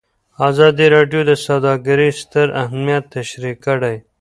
ازادي راډیو د سوداګري ستر اهميت تشریح کړی.